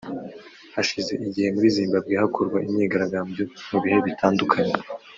Hashize igihe muri Zimbabwe hakorwa imyigaragambyo mu bihe bitandukanye